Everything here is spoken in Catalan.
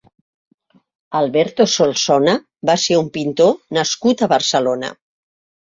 Alberto Solsona va ser un pintor nascut a Barcelona.